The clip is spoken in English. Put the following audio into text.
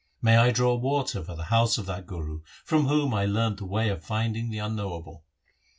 May I draw water for the house of that Guru From whom I learned the way of finding the Unknowable